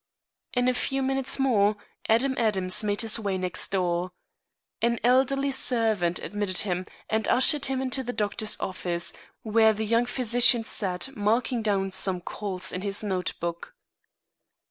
In a few minutes more, Adam Adams made his way next door. An elderly servant admitted him and ushered him into the doctor's office, where the young physician sat marking down some calls in his notebook.